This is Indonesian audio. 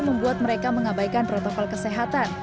membuat mereka mengabaikan protokol kesehatan